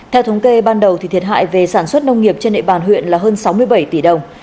theo thống kê ban đầu thiệt hại về sản xuất nông nghiệp trên địa bàn huyện là hơn sáu mươi bảy tỷ đồng